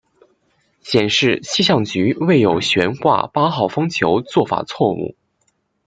显示气象局未有悬挂八号风球做法错误。